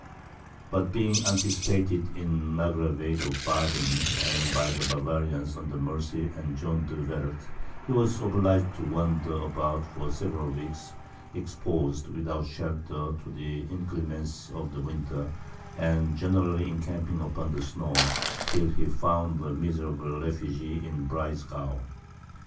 But being anticipated in the Margraviate of Baden, by the Bavarians under Mercy and John de Werth, he was obliged to wander about for several weeks, exposed, without shelter, to the inclemency of the winter, and generally encamping upon the snow, till he found a miserable refuge in Breisgau.